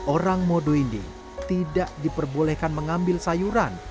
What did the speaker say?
orang mode indik tidak diperbolehkan mengambil sayuran